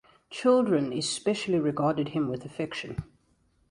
Children especially regarded him with affection.